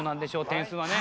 点数はね。